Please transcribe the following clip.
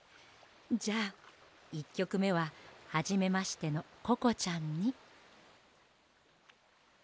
じゃあ１きょくめははじめましてのココちゃんに。